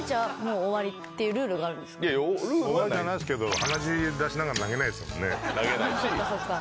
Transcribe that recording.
終わりではないですけど、鼻血出しながら投げれないですもんね。